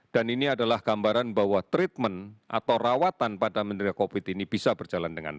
dan ini adalah gambaran bahwa treatment atau rawatan pada menerima covid ini bisa berjalan